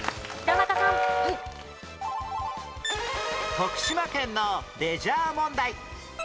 徳島県のレジャー問題